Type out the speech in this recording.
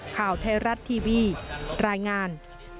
ข่าวไทยรัฐทีวีรายงาน